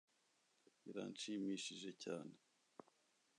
Biranshimishije cyane